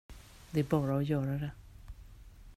Det är bara att göra det.